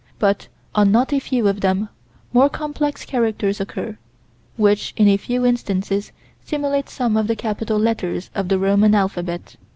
"But on not a few of them, more complex characters occur, which in a few instances simulate some of the capital letters of the Roman alphabet."